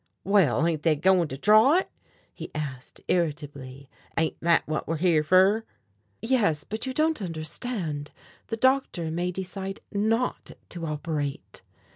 "Well, ain't they goin' to draw it?" he asked irritably. "Ain't that whut we're here fer?" "Yes; but you don't understand. The doctor may decide not, to operate."